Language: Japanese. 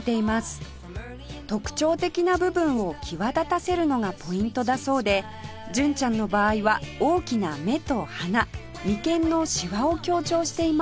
特徴的な部分を際立たせるのがポイントだそうで純ちゃんの場合は大きな目と鼻眉間のしわを強調しています